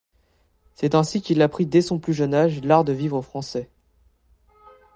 C'est ainsi qu'il apprit dès son plus jeune âge l'art de vivre français.